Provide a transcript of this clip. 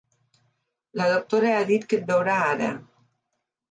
La doctora ha dit que et veurà ara.